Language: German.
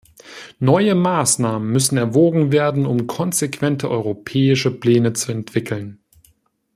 Neue Maßnahmen müssen erwogen werden, um konsequente europäische Pläne zu entwickeln.